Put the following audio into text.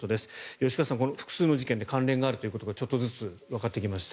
吉川さん複数の事件で関連があることがちょっとずつわかってきました。